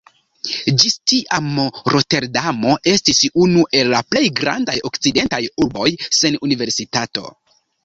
Ĝis tiam Roterdamo estis unu el la plej grandaj okcidentaj urboj sen universitato.